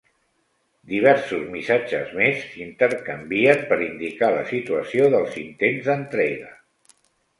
Diversos missatges més s'intercanvien per indicar la situació dels intents d'entrega.